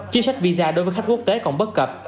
chính sách visa đối với khách quốc tế còn bất cập